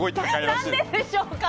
何ででしょうか。